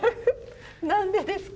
何でですか？